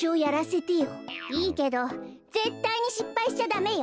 いいけどぜったいにしっぱいしちゃダメよ。